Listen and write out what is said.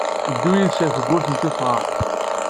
Ddu yid-s ar tawwurt n tuffɣa.